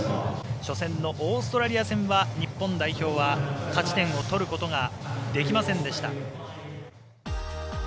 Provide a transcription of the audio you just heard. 初戦のオーストラリア戦は日本代表は勝ち点を取ることができませんでした。